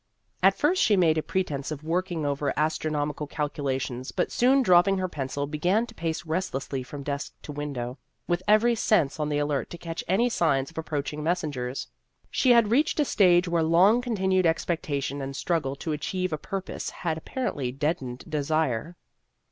At first she made a pretense of working over astronomical calculations, but soon dropping her pencil she began to pace restlessly from desk to window, with every sense on the alert to catch any signs of approaching messengers. She had reached a stage where long continued expectation and struggle to achieve a pur pose had apparently deadened desire.